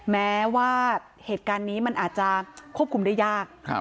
แม้ว่าเหตุการณ์นี้มันอาจจะควบคุมได้ยาก